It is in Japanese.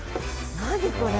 何これ？